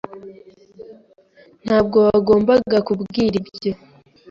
Ntabwo wagombaga kubwira ibyo.